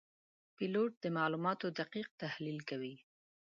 پیلوټ د معلوماتو دقیق تحلیل کوي.